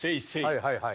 はいはいはい。